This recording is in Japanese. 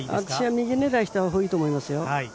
右狙いしたほうがいいと思いますよ。